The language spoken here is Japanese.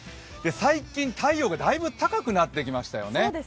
最近、太陽がだいぶ高くなってきましたよね。